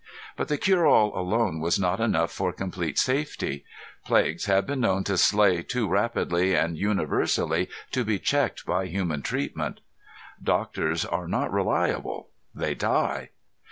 But the cureall alone was not enough for complete safety. Plagues had been known to slay too rapidly and universally to be checked by human treatment. Doctors are not reliable; they die.